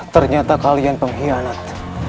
ternyata kalian pengkhianat